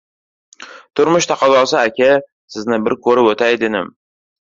— Turmush taqozosi, aka… Sizni bir ko‘rib o‘tay, dedim…